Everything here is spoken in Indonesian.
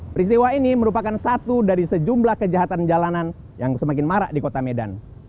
peristiwa ini merupakan satu dari sejumlah kejahatan jalanan yang semakin marak di kota medan